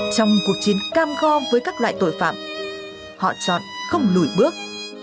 trong cuộc chiến cam go với các loại tội phạm họ chọn không lùi bước